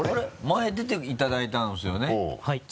前出ていただいたんですよね？